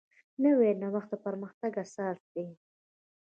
نوی نوښت د پرمختګ اساس دی